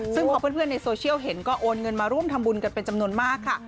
ซึ่งพอเพื่อนในโซเชียลเห็นก็โอนเงินมาร่วมทำบุญกันเป็นจำนวนมากค่ะ